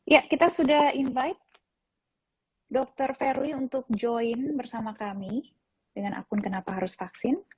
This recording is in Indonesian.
ya kita sudah invite dr verly untuk join bersama kami dengan akun kenapa harus vaksin